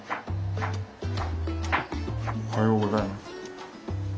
おはようございます。